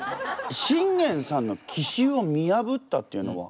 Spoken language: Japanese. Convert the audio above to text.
信玄さんの奇襲を見やぶったっていうのは？